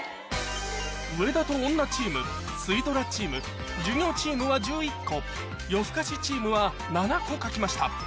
「上田と女チーム」「水ドラチーム」「授業チーム」は１１個「夜ふかしチーム」は７個書きました